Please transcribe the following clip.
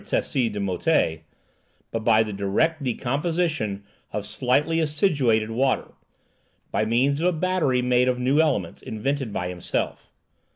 Tessié du Motay, but by the direct decomposition of slightly acidulated water, by means of a battery made of new elements, invented by himself.